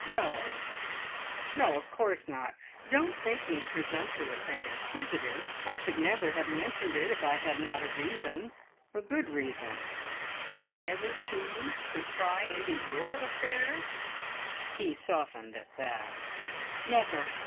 No, no of course not. Don't think me presumptuous and inquisitive. I should never have mentioned it, if I had not a reason a good reason. Have I ever seemed to pry into your affairs?" He softened at that. "Never!